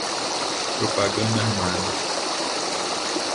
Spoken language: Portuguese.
Propaganda Armada